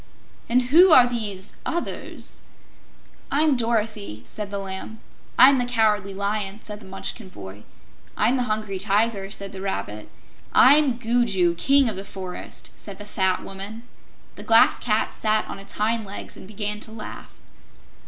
"And who are these others?" "I'm Dorothy," said the Lamb. "I'm the Cowardly Lion," said the Munchkin boy. "I'm the Hungry Tiger," said the Rabbit. "I'm Gugu, King of the Forest," said the fat Woman. The Glass Cat sat on its hind legs and began to laugh.